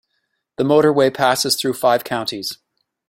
The motorway passes through five counties.